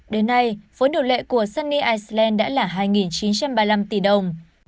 đến nay vốn điều lệ của sunny iceland đã là hai chín trăm ba mươi năm tỷ đồng